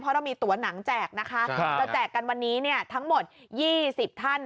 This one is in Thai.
เพราะเรามีตัวหนังแจกนะคะจะแจกกันวันนี้ทั้งหมด๒๐ท่าน